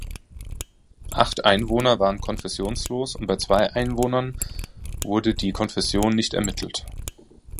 Acht Einwohner waren konfessionslos und bei zwei Einwohnern wurde die Konfession nicht ermittelt.